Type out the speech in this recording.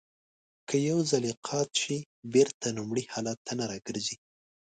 که یو ځلی قات شي بېرته لومړني حالت ته نه را گرځي.